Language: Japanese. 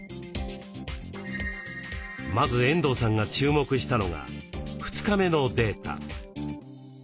まず遠藤さんが注目したのが２日目のデータ。